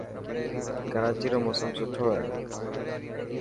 ڪراچي رو موسم سٺو هي.